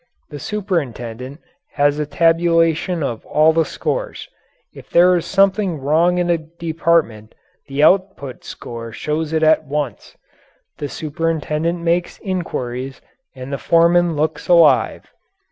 The superintendent has a tabulation of all the scores; if there is something wrong in a department the output score shows it at once, the superintendent makes inquiries and the foreman looks alive.